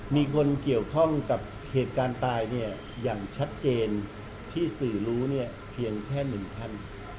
มีคนเกี่ยวข้องกับเหตุการณ์ตายเนี่ยอย่างชัดเจนที่สื่อรู้เนี่ยเพียงแค่หนึ่งท่าน